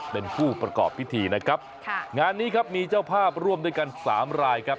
เป็นผู้ประกอบพิธีนะครับค่ะงานนี้ครับมีเจ้าภาพร่วมด้วยกันสามรายครับ